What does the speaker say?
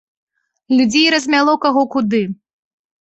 Людзей размяло каго куды.